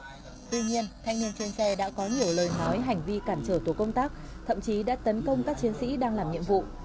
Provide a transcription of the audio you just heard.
tuy nhiên thanh niên trên xe đã có nhiều lời nói hành vi cản trở tổ công tác thậm chí đã tấn công các chiến sĩ đang làm nhiệm vụ